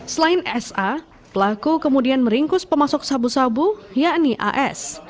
selain s a pelaku kemudian meringkus pemasok sabu sabu yakni a s